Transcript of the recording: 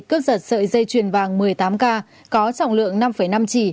cướp giật sợi dây chuyền vàng một mươi tám k có trọng lượng năm năm chỉ